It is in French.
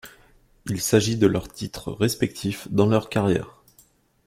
Il s'agit de leur titre respectif dans leur carrière.